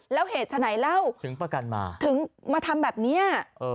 แล้วเหตุฉะไหนเล่าถึงประกันมาถึงมาทำแบบนี้